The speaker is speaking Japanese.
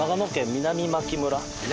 南牧村。